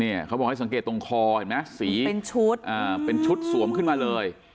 เขาบอกให้สังเกตตรงคอเห็นไหมสีเป็นชุดอ่าเป็นชุดสวมขึ้นมาเลย